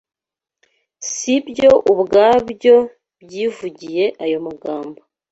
Si byo ubwabyo byivugiye ayo magambo